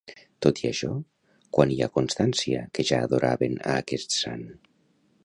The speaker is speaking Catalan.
Tot i això, quan hi ha constància que ja adoraven a aquest sant?